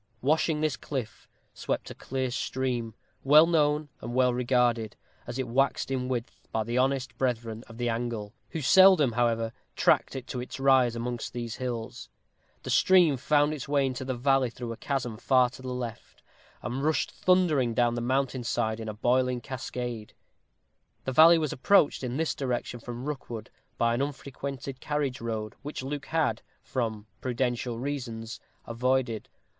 Washing this cliff, swept a clear stream, well known and well regarded, as it waxed in width, by the honest brethren of the angle, who seldom, however, tracked it to its rise amongst these hills. The stream found its way into the valley through a chasm far to the left, and rushed thundering down the mountain side in a boiling cascade. The valley was approached in this direction from Rookwood by an unfrequented carriage road, which Luke had, from prudential reasons, avoided.